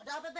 ada apa be